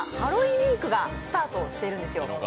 ウィークがスタートしてるんですよ。